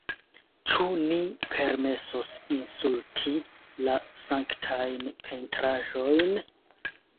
Ĉu ni permesos insulti la sanktajn pentraĵojn?